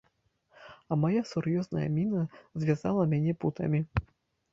А мая сур'ёзная міна звязала мяне путамі.